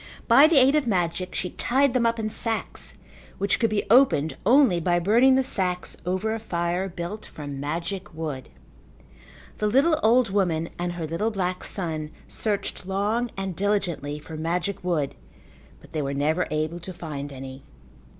By the aid of magic she tied them up in sacks which could be opened only by burning the sacks over a fire built from magic wood. The little old woman and her little black son searched long and diligently for magic wood, but they were never able to find any.